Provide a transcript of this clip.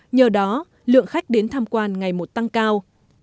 nhờ đó lượng khách đến tham quan ngày một tăng cao